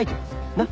なっ？